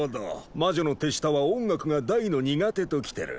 魔女の手下は音楽が大の苦手ときてる。